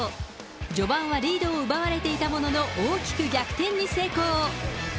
序盤はリードを奪われていたものの、大きく逆転に成功。